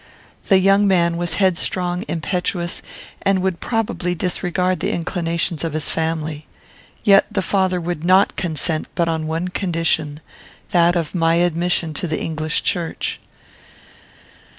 The young man was headstrong, impetuous, and would probably disregard the inclinations of his family. Yet the father would not consent but on one condition, that of my admission to the English Church.